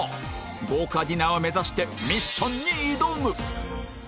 豪華ディナー目指してミッションに挑む